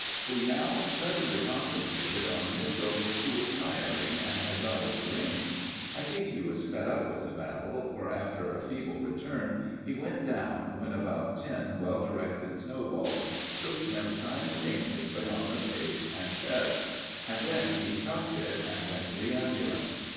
We now suddenly concentrated on Mitchell, who was tiring and had got into range. I think he was fed up with the battle, for, after a feeble return, he went down when about ten well directed snowballs took him simultaneously on the face and chest, and then he chucked it and went to the ambulance.